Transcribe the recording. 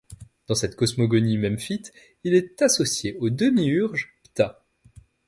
Dans cette cosmogonie memphite, il est associé au démiurge Ptah.